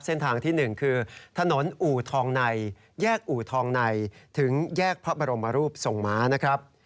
เส้นทางที่๑คือถนนอู่ทองในแยกอู่ทองในถึงแยกพระบรมรูปทรงม้านะครับ